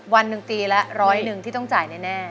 วันหนึ่งปีละร้อยหนึ่งที่ต้องจ่ายแน่